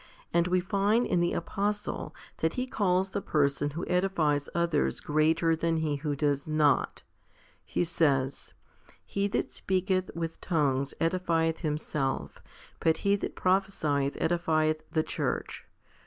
And we find in the apostle that he calls the person who edifies others greater than he who does not. He says, He that speaketh with tongues edifieth himself, but he that prophcsieth edifieth the church.